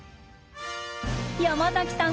山崎さん